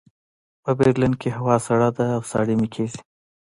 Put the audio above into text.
په برلین کې هوا سړه ده او ساړه مې کېږي